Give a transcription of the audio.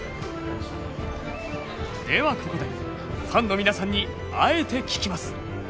ではここでファンの皆さんにあえて聞きます。